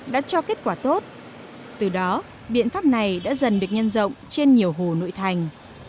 đã cho kết quả tốt từ đó biện pháp này đã dần được nhân rộng trên nhiều hồ nội thành